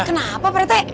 kenapa pak rete